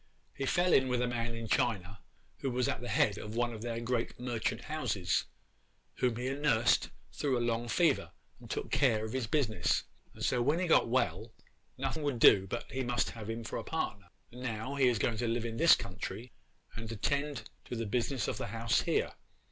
He fell in with a man in China who was at the head of one of their great merchant houses, whom he nursed through a long fever, and took care of his business, and so when he got well nothing would do but he must have him for a partner, and now he is going to live in this country and attend to the business of the house here.